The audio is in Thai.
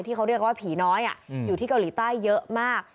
ที่เขาเรียกว่าผีน้อยอยู่ที่เกาหลีใต้เยอะมาก